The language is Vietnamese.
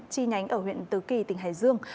chi nhánh ở huyện tứ kỳ tỉnh hải dương